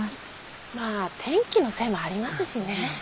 まあ天気のせいもありますしね。